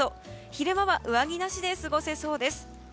昼間は上着なしで過ごせそうです。